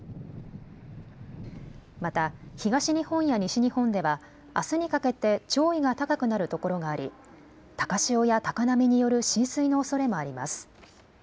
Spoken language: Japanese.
また、東日本や西日本では、あすにかけて潮位が高くなる所があり、高潮や高波による浸水のおそれもあります。